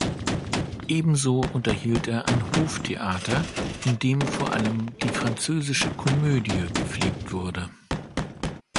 Ebenso unterhielt er ein Hoftheater, in dem vor allem die französische Komödie gepflegt wurde.